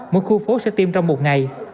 mỗi khu phố sẽ tiêm trong một ngày